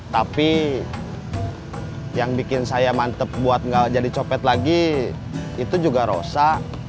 tapi yang bikin saya mantep buat gak jadi copet lagi itu juga rosa